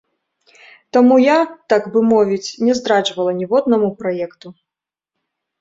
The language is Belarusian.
Таму я, так бы мовіць, не здраджвала ніводнаму праекту.